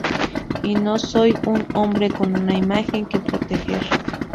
Y no soy un nombre con una imagen que proteger.